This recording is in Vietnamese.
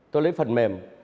tôi lấy phần mềm